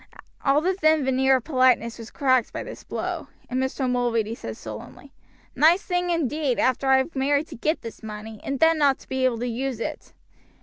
All the thin veneer of politeness was cracked by this blow, and Mr. Mulready said sullenly: "Nice thing indeed; after I have married to get this money, and then not to be able to use it!"